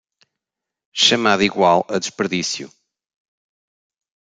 Chamado igual a desperdício